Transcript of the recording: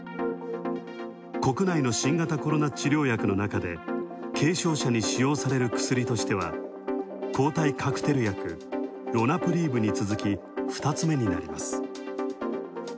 国内の新型コロナ治療薬のなかで軽症者に使用される薬としては、抗体カクテル薬＝ロナプリーブに続き２つめになります。